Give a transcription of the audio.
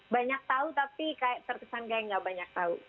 banyak tahu tapi terkesan kayak gak banyak tahu